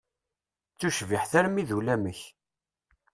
D tucbiḥt armi d ulamek!